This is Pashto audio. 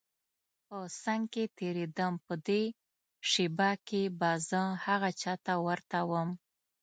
په څنګ تېرېدم په دې شېبه کې به زه هغه چا ته ورته وم.